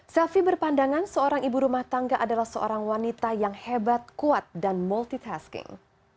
selvi berpandangan seorang ibu rumah tangga adalah seorang wanita yang hebat kuat dan multitasking